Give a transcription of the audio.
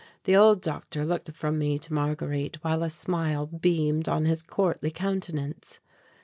The old doctor looked from me to Marguerite, while a smile beamed on his courtly countenance.